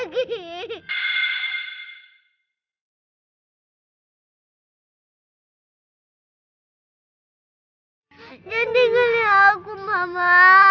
jangan tinggalin aku mama